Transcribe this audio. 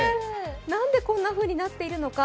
何でこんなふうになっているのか。